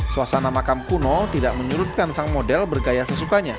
suasana makam kuno tidak menyurutkan sang model bergaya sesukanya